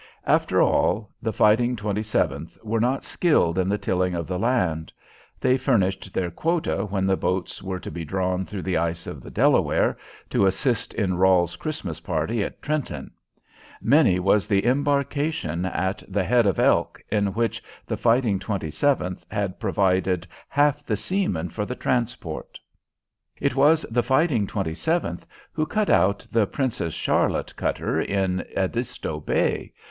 After all, "the Fighting Twenty seventh" were not skilled in the tilling of the land. They furnished their quota when the boats were to be drawn through the ice of the Delaware, to assist in Rahl's Christmas party at Trenton. Many was the embarkation at the "head of Elk," in which the "Fighting Twenty seventh" had provided half the seamen for the transport. It was "the Fighting Twenty seventh" who cut out the "Princess Charlotte" cutter in Edisto Bay.